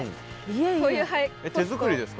えっ手作りですか？